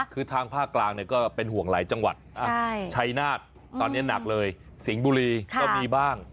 คือทางภาคกลางก็เป็นห่วงหลายจังหวัดชัยนาธตอนนี้หนักเลยสิงห์บุรีก็มีบ้าง